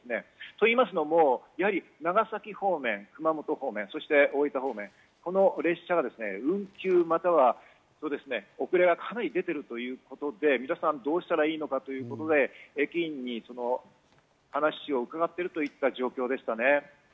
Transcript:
というのも長崎方面、熊本方面、そして大分方面、この列車が運休、または遅れがかなり出ているということで皆さんどうしたらいいのかということで駅員に話を伺っているといった状況でしたね。